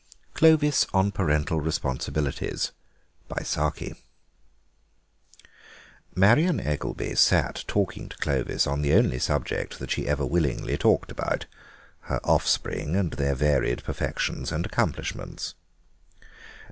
CLOVIS ON PARENTAL RESPONSIBILITIES Marion Eggelby sat talking to Clovis on the only subject that she ever willingly talked about—her offspring and their varied perfections and accomplishments.